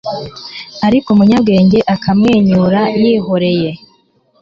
ariko umunyabwenge akamwenyura yihoreye